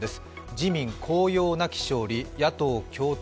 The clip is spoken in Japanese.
自民高揚なき勝利、野党共闘